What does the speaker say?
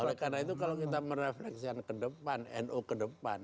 oleh karena itu kalau kita merefleksikan ke depan nu ke depan